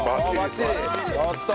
やった！